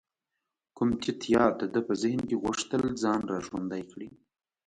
کوم تت یاد د ده په ذهن کې غوښتل ځان را ژوندی کړي.